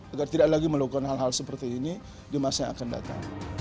agar tidak lagi melakukan hal hal seperti ini di masa yang akan datang